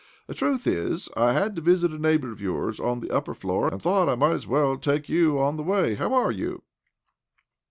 " The truth is, I had to visit a neighbour of yours on the upper floor, and thought I might as well take you on the way. How are you?"